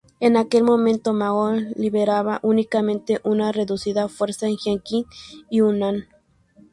En aquel momento Mao lideraba únicamente un reducida fuerza en Jiangxi y Hunan.